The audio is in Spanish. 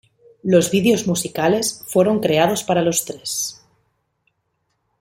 Los videos musicales fueron creados para los tres.